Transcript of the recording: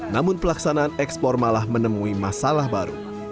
namun pelaksanaan ekspor malah menemui masalah baru